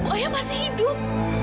ayah masih hidup